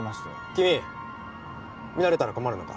・君見られたら困るのか？